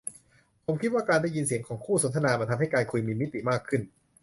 ผมคิดว่าการได้ยินเสียงของคู่สนทนามันทำให้การคุยมีมิติมากขึ้น